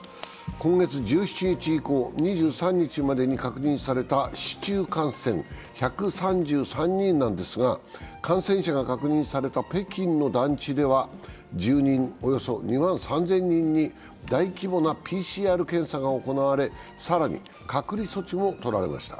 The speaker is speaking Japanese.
今月１７日以降２３日までに確認された市中感染は１３３人なんですが、感染者が確認された北京の団地では住人およそ２万３０００人に大規模なＰＣＲ検査が行われ更に隔離措置も取られました。